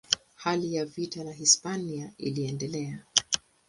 Hali ya vita na Hispania iliendelea.